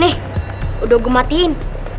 nih udah gue matiin